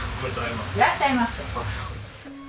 いらっしゃいませ。